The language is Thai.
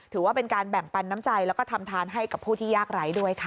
ถือว่าเป็นการแบ่งปันน้ำใจแล้วก็ทำทานให้กับผู้ที่ยากไร้ด้วยค่ะ